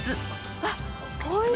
あっおいしそう。